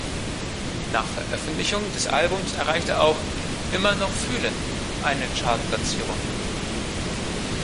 Nach Veröffentlichung des Albums erreichte auch "Immer noch fühlen" eine Chartplatzierung.